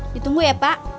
ditunggu ya pak